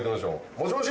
もしもし！